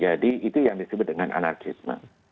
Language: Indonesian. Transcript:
jadi itu yang disebut dengan anarkisme